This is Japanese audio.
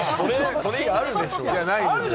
それ以外にあるでしょ。